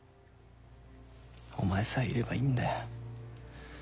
お前さえいればいいんだ。